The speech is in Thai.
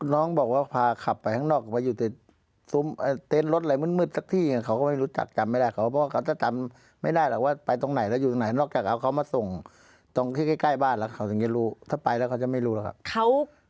น้องบอกว่าพาขับไปข้างนอกไปอยู่ซุ้มเต็นต์รถอะไรมืดสักที่เขาก็ไม่รู้จักกันไม่ได้เขาเพราะเขาจะจำไม่ได้หรอกว่าไปตรงไหนแล้วอยู่ตรงไหนนอกจากเอาเขามาส่งตรงที่ใกล้บ้านแล้วเขาถึงจะรู้ถ้าไปแล้วเขาจะไม่รู้หรอกครับ